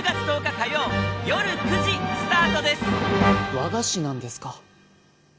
和菓子なんですか？